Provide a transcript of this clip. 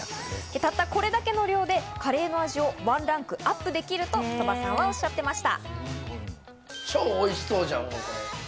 たったこれだけの量でカレーの味をワンランクアップさせることができると鳥羽さんはおっしゃっていました。